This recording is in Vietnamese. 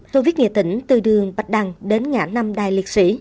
tôi viết nghệ tỉnh từ đường bạch đăng đến ngã năm đài liệt sĩ